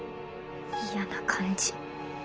嫌な感じ。